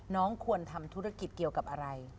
น้องควรทำธุรกิจเกี่ยวกับอะไร